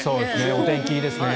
お天気いいですね。